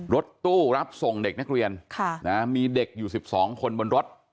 รถตู้รับส่งเด็กนักเรียนมีเด็กอยู่๑๒คนบนรถ